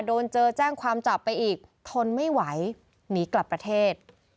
โดนเจอแจ้งความจับไปอีกทนไม่ไหวหนีกลับประเทศ